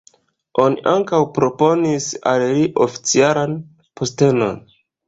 Oni ankaŭ proponis al li oficialan postenon.